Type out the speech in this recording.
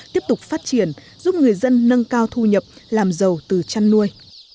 tiếp tục phát triển giúp người dân nâng cao thu nhập làm giàu từ chăn nuôi